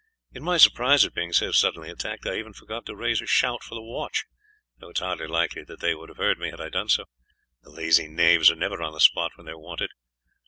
In my surprise at being so suddenly attacked I even forgot to raise a shout for the watch, though it is hardly likely that they would have heard me had I done so; the lazy knaves are never on the spot when they are wanted.